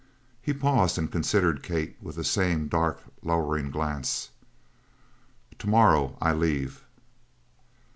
He paused and considered Kate with the same dark, lowering glance. "To morrow I leave."